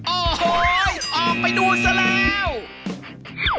โอ้โหออกไปดูซะแล้ว